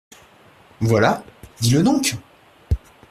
Voilà, dis-le donc !